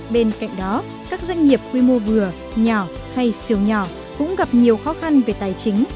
bên cạnh đó các doanh nghiệp quy mô vừa nhỏ hay siêu nhỏ cũng gặp nhiều khó khăn về tài chính